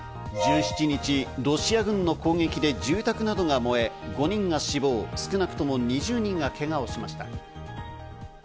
１７日、ロシア軍の攻撃で住宅などが燃え、５人が死亡、少なくとも２０人がけがをしました。